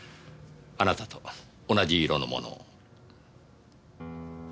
あなたと同じ色のものを。